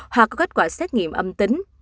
hoặc có kết quả xét nghiệm âm tính